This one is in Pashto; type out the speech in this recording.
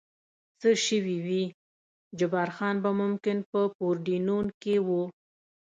څه شوي وي، جبار خان به ممکن په پورډینون کې و.